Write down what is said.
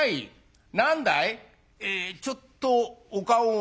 「えちょっとお顔を」。